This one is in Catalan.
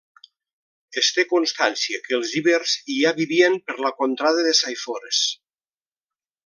Es té constància que els ibers ja vivien per la contrada de Saifores.